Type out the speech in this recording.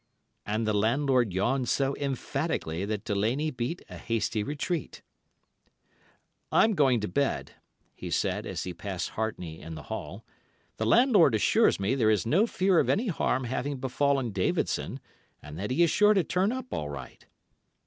And the landlord yawned so emphatically that Delaney beat a hasty retreat. "'I'm going to bed,' he said, as he passed Hartney in the hall. 'The landlord assures me there is no fear of any harm having befallen Davidson, and that he is sure to turn up all right.